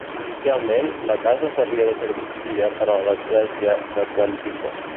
Inicialment, la casa servia de sagristia per a la l'església de Quantico.